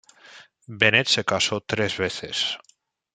Bennett se casó tres veces.